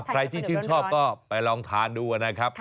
ใครที่ชื่นชอบก็ไปลองทานดูนะครับ